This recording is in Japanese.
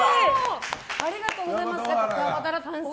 ありがとうございます。